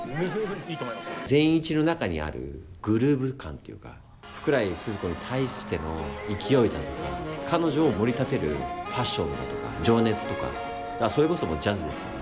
善一の中にあるグルーヴ感というか福来スズ子に対しての勢いだとか彼女をもり立てるパッションだとか情熱とかそれこそジャズですよね